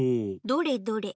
どれどれ。